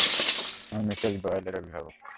আমি মিসেস ডয়েলের অভিভাবক!